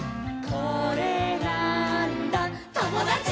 「これなーんだ『ともだち！』」